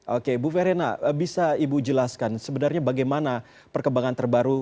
oke bu verena bisa ibu jelaskan sebenarnya bagaimana perkembangan terbaru